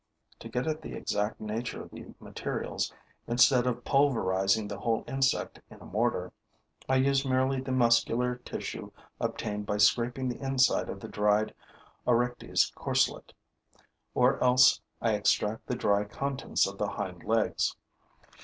To get at the exact nature of the materials, instead of pulverizing the whole insect in a mortar, I use merely the muscular tissue obtained by scraping the inside of the dried Oryctes' corselet. Or else I extract the dry contents of the hind legs.